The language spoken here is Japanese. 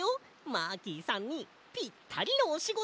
マーキーさんにぴったりのおしごと。